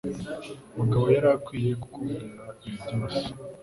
Mugabo yari akwiye kukubwira ibi byose.